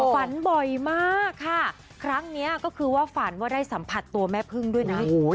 ฝันบ่อยมากค่ะครั้งนี้ก็คือว่าฝันว่าได้สัมผัสตัวแม่พึ่งด้วยนะ